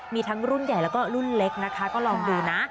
มีทั้งรุ่นใหญ่แล้วก็รุ่นเล็กนะคะก็ลองดูนะ